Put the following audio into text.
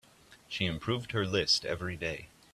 She improved her list every day.